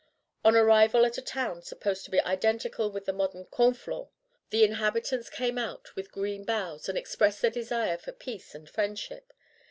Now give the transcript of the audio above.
On arrival at a town supposed to be identical with the modern Conflans, the inhabitants came out with green boughs and expressed their desire for peace and friendship.